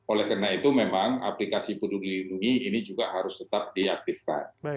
oleh karena itu memang aplikasi peduli lindungi ini juga harus tetap diaktifkan